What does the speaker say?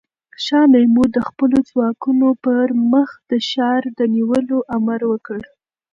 شاه محمود د خپلو ځواکونو پر مخ د ښار د نیولو امر وکړ.